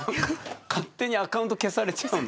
勝手にアカウント消されちゃうんだ。